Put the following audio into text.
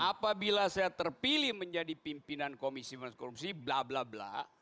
apabila saya terpilih menjadi pimpinan komisi korupsi bla bla bla